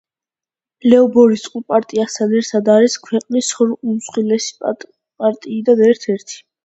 ლეიბორისტულ პარტიასთან ერთად არის ქვეყნის ორ უმსხვილესი პარტიიდან ერთ-ერთი.